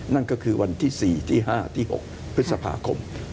นั่นก็คือวันที่๔ที่๕ที่๖พฤษภาคม